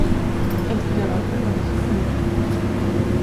El tirador permanece tendido.